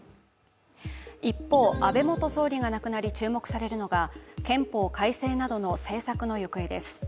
一方、安倍元総理が亡くなり、注目されるのが憲法改正などの政策の行方です。